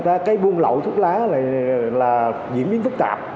cái buôn lậu thuốc lá này là diễn biến phức tạp